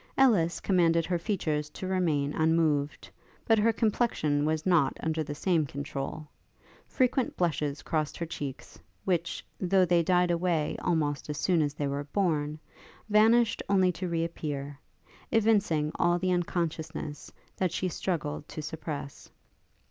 Ellis commanded her features to remain unmoved; but her complexion was not under the same controul: frequent blushes crossed her cheeks, which, though they died away almost as soon as they were born, vanished only to re appear; evincing all the consciousness that she struggled to suppress.